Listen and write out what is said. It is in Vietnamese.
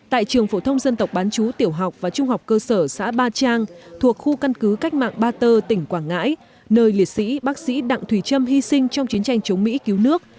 tại trường phổ thông dân tộc bán chú tiểu học và trung học cơ sở xã ba trang thuộc khu căn cứ cách mạng ba tơ tỉnh quảng ngãi nơi liệt sĩ bác sĩ đặng thùy trâm hy sinh trong chiến tranh chống mỹ cứu nước